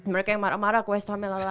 mereka yang marah marah quest home lalala